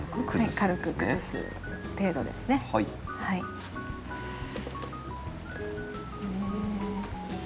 軽く崩す程度ですね。